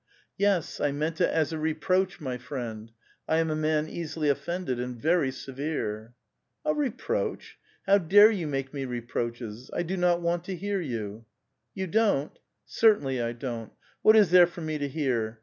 *' "Yes, I meant it as a reproach, my friend ! I am a man easily offended, and very severe !" "A reproach? How dare you make me reproaches? I do not want to hear you !'* "You don't?" " Certainly I don't. What is there for me to hear?